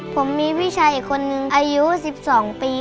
ผมมีพี่ชายอีกคนนึงอายุ๑๒ปี